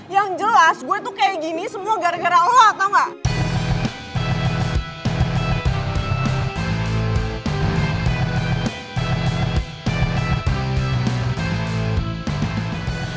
yang jelas gue tuh kayak gini semua gara gara lo tau gak